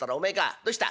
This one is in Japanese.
どうした？」。